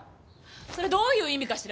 それどういう意味かしら？